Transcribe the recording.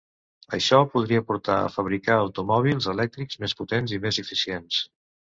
Això podria portar a fabricar automòbils elèctrics més potents i més eficients.